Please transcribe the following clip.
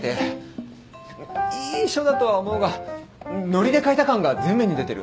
いい書だとは思うがノリで書いた感が前面に出てる。